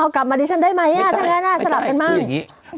เอากลับมาดิฉันได้ไหมถ้าไงน่าสลัดเป็นบ้าง